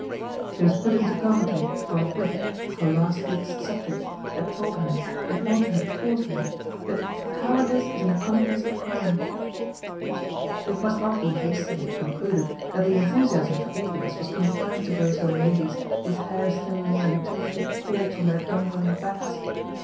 She was put into Coventry, 218 GOD'S POOL. forthwith, for last week's ^* subject " had told her, and ought to have taught her, that ^' Cowardice is an Accomplice of Crime." It must not be hastily concluded that the enthusiasm for Elias was confined to those young ladies whose hair still lay in two thick cords on Iheir unwilling backs.